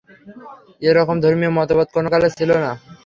এ রকম ধর্মীয় মতবাদ কোনকালে ছিল না।